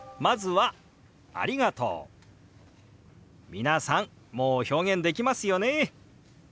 皆さんもう表現できますよね。